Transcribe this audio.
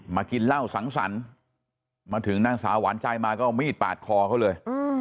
กินเหล้าสังสรรค์มาถึงนางสาวหวานใจมาก็เอามีดปาดคอเขาเลย